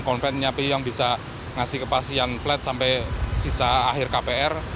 kontennya api yang bisa ngasih kepastian flat sampai sisa akhir kpr